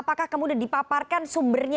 apakah kamu sudah dipaparkan sumbernya